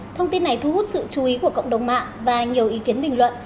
thông tin này thu hút sự chú ý của cộng đồng mạng và nhiều ý kiến bình luận